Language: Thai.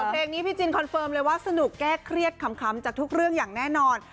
เพลงนี้พี่จินคอนเฟิร์มเลยว่าสนุกแก้เครียดขำจากทุกเรื่องอย่างแน่นอน